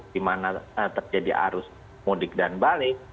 di mana terjadi arus mudik dan balik